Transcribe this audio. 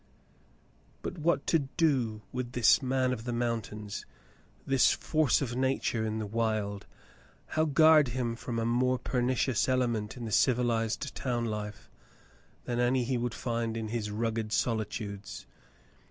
But what to do with this man of the mountains — this force of nature in the wild; how guard him from a far more pernicious element in the civilized town life than any he would find in his rugged solitudes